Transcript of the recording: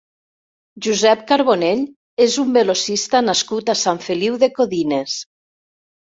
Josep Carbonell és un velocista nascut a Sant Feliu de Codines.